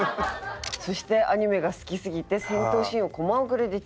そして「アニメが好きすぎて戦闘シーンをコマ送りでチェック」。